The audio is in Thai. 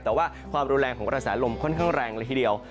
แต่ว่าความรุนแรงของกระแสลมค่อนข้างแรงเลยทีเดียว